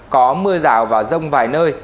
có mưa rào và rông vài nơi